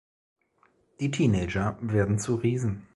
Die Teenager werden zu Riesen.